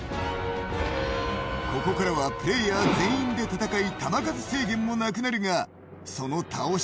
ここからはプレイヤー全員で戦い、弾数制限もなくなるがその倒し